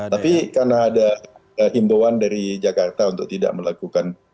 tapi karena ada himbauan dari jakarta untuk tidak melakukan